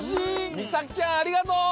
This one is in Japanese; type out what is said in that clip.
みさきちゃんありがとう！